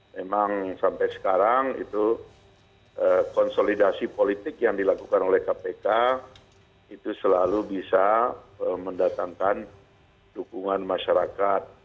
memang sampai sekarang itu konsolidasi politik yang dilakukan oleh kpk itu selalu bisa mendatangkan dukungan masyarakat